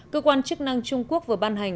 cơ quan chức năng trung quốc vừa ban hành